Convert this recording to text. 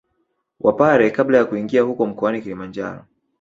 Wapare Kabla ya kuingia huko mkoani Kilimanjaro